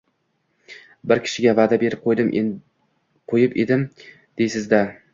Bir kishiga va’da berib qo‘yib edim, deysiz-da